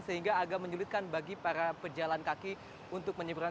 sehingga agak menyulitkan bagi para pejalan kaki untuk menyeberang